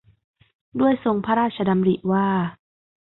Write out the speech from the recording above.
ด้วยทรงพระราชดำริว่า